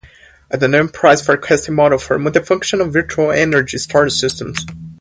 A dynamic price forecasting model for multifunctional virtual energy storage systems.